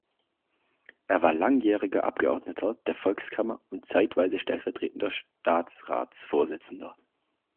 Er war langjähriger Abgeordneter der Volkskammer und zeitweise stellvertretender Staatsratsvorsitzender.